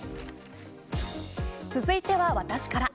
続いては私から。